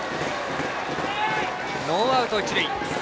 ノーアウト、一塁。